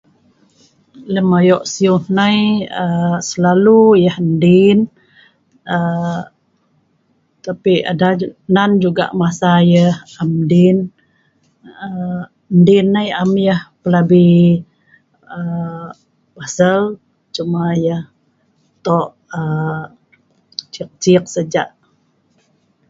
Lem ayo siu hnai, selalu(dung-dung) yah ndin tapi nan juga(tah)masa yah(siu) am ndin. Ndin nai am yah pelabi pasel, cuma yah tok ciik-ciik saja(duung)